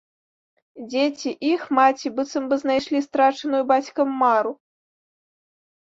Дзеці і іх маці быццам бы знайшлі страчаную бацькам мару.